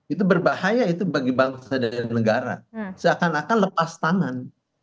itu berbahaya itu bagi bangsa dan negara seakan akan lepas tangan